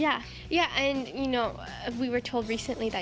ya dan kita dikatakan baru baru ini